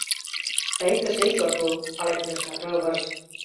— Тый тышеч отыл, — палемдыш Рывыж.